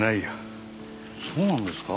そうなんですか？